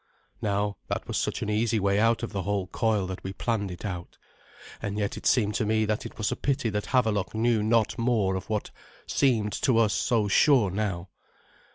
Now that was such an easy way out of the whole coil that we planned it out. And yet it seemed to me that it was a pity that Havelok knew not more of what seemed to us so sure now.